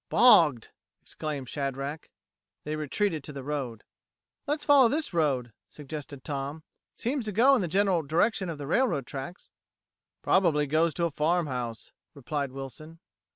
"Bogged!" exclaimed Shadrack. They retreated to the road. "Let's follow this road," suggested Tom. "It seems to go in the general direction of the railroad tracks." "Probably goes to a farmhouse," replied Wilson.